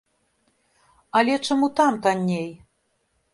Але чаму там танней?